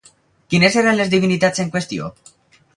Quines eren les divinitats en qüestió?